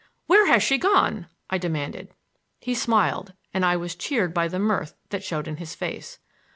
"Where has she gone?" I demanded. He smiled, and I was cheered by the mirth that showed in his face.